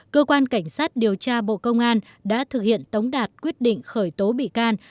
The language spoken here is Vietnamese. cơ quan cảnh sát điều tra bộ công an đã thực hiện tống đạt quyết định khởi tố bị can